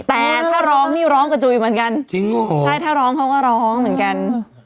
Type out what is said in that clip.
แต่ถ้าร้องนี่ร้องกระจุยเหมือนกันจริงโอ้โหใช่ถ้าร้องเขาก็ร้องเหมือนกัน